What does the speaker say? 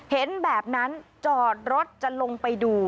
เห็นแบบนั้นจอดรถจะลงไปดู